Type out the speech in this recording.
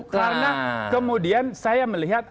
karena kemudian saya melihat